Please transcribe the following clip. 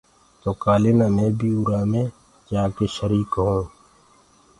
تو ڪآلي نآ مي بي اُرا مي جآڪي شريٚڪ هويوٚنٚ۔